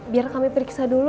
biar kami periksa dulu